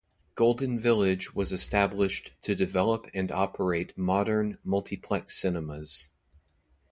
Golden Village was established to develop and operate modern, multiplex cinemas.